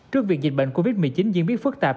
trước việc dịch bệnh covid một mươi chín diễn biến phức tạp